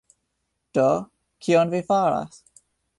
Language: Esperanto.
Do, kion vi faras?